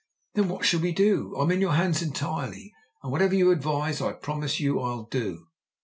"Then what shall we do? I'm in your hands entirely, and whatever you advise I promise you I'll do."